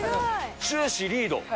終始リード。